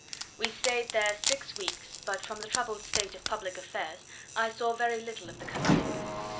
We stayed here six weeks but from the troubled state of public affairs, I saw very little of the country.